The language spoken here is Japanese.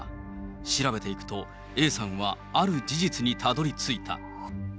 調べていくと、Ａさんはある事実にたどりついた。